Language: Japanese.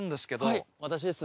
はい私です。